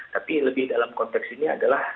tapi lebih dalam konteks ini adalah